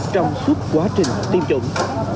trong suốt quá trình tiêm chủng